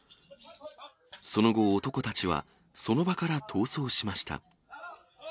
その後、男たちはその場から逃走しました。